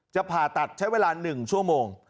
ผ่าตัดใช้เวลา๑ชั่วโมง